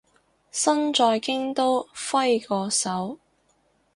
身在京都揮個手